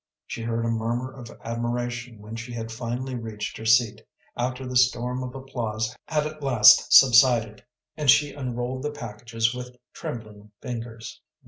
She heard a murmur of admiration when she had finally reached her seat, after the storm of applause had at last subsided, and she unrolled the packages with trembling fingers.